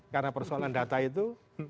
karena persoalan data itu